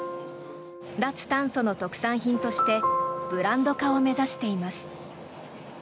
脱炭素の特産品としてブランド化を目指しています。